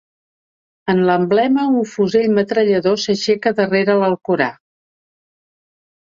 En l'emblema un fusell metrallador s'aixeca darrere l'Alcorà.